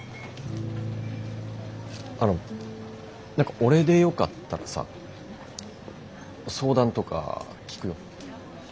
あの何か俺でよかったらさ相談とか聞くよ。